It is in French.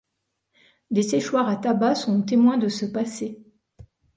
Des séchoirs à tabac sont témoins de ce passé.